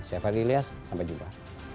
saya fadi ilyas sampai jumpa